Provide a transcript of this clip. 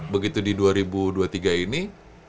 begitu di dua ribu dua puluh tiga ini